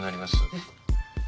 えっ。